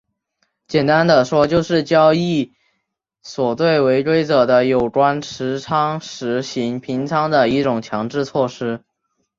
简单地说就是交易所对违规者的有关持仓实行平仓的一种强制措施。